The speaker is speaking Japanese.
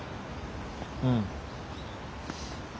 うん。